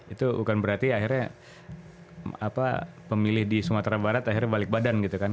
itu bukan berarti akhirnya pemilih di sumatera barat akhirnya balik badan gitu kan